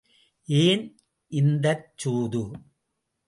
ஏன் இந்தச் சூது?